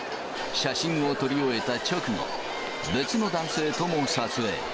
写真を撮り終えた直後、別の男性とも撮影。